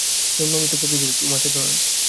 জন্মমৃত্যু প্রকৃতিতে, তোমাতে নয়।